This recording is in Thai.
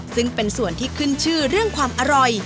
ซึ่งเป็นส่วนที่ขึ้นชื่อเรื่องความอร่อย